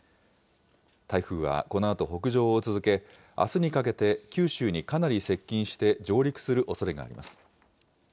台風はこのあと北上を続け、あすにかけて九州にかなり接近して上陸するおそれがあります。